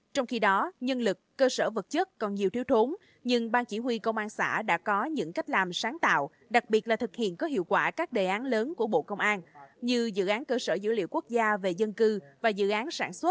trong khi đó nhân lực cơ sở vật chất còn nhiều thiếu thốn nhưng bang chỉ huy công an xã đã có những cách làm sáng tạo đặc biệt là thực hiện có hiệu quả các đề án lớn của bộ công an như dự án cơ sở dự án cư và dự án cư